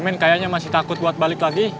main kayaknya masih takut buat balik lagi